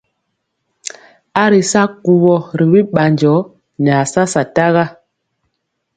A ri sa kuwɔ ri bi ɓanjɔ nɛ a sa sataga.